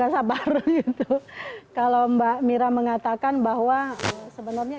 saya pun berdua uli gimana ya